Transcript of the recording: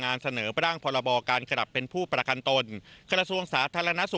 เอาเวลาแบบใช้ให้เวลาเต็มที่เลย